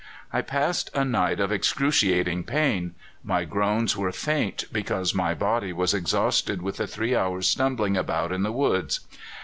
"I passed a night of excruciating pain. My groans were faint, because my body was exhausted with the three hours' stumbling about in the woods.